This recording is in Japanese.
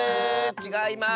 ちがいます。